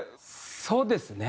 そうですね。